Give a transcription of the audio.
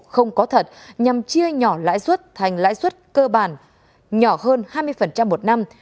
không có thật nhằm chia nhỏ lãi suất thành lãi suất cơ bản nhỏ hơn hai mươi một năm